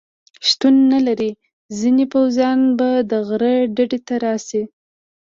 شتون نه لري، ځینې پوځیان به د غره ډډې ته راشي.